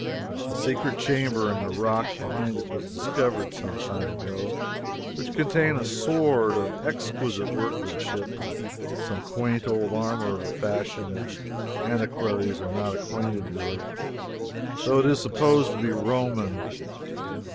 A secret chamber in the rock behind it was discovered some time ago, which contained a sword of exquisite workmanship, and some quaint old armor of a fashion that antiquaries are not acquainted with, though it is supposed to be Roman.